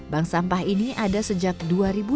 bang sampah juga menggerakkan bang sampah